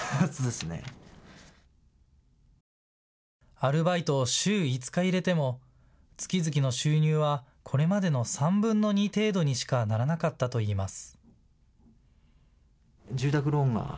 アルバイトを週５日入れても月々の収入はこれまでの３分の２程度にしかならなかったといいます。